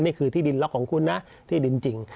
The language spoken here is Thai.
นี่คือที่ดินล็อกของคุณนะที่ดินจริง